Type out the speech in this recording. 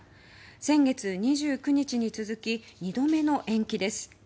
先月２９日に続き２度目の延期です。